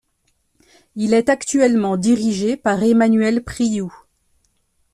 Il est actuellement dirigé par Emmanuel Priou.